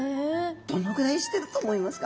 どのぐらいしてると思いますか？